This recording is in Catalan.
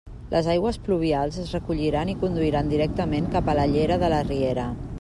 Les aigües pluvials es recolliran i conduiran directament cap a la llera de la riera.